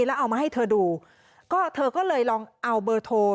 แล้วเอามาให้เธอดูก็เธอก็เลยลองเอาเบอร์โทร